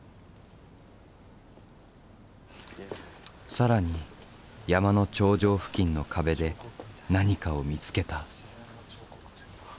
更に山の頂上付近の壁で何かを見つけた。